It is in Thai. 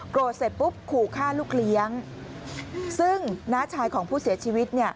เสร็จปุ๊บขู่ฆ่าลูกเลี้ยงซึ่งน้าชายของผู้เสียชีวิตเนี่ย